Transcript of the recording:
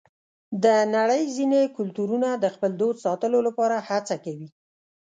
د نړۍ ځینې کلتورونه د خپل دود ساتلو لپاره هڅه کوي.